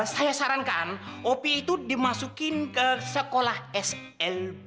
saya sarankan opi itu dimasukin ke sekolah sl